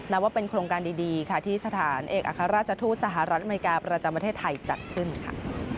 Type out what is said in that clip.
นับว่าเป็นโครงการดีค่ะที่สถานเอกอัครราชทูตสหรัฐอเมริกาประจำประเทศไทยจัดขึ้นค่ะ